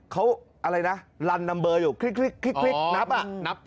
เขาอะไรนะลันนัมเบอร์อยู่คลิกนับอ่ะนับ